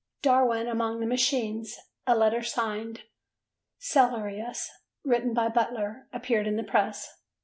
"Darwin among the Machines," a letter signed "Cellarius" written by Butler, appeared in the Press.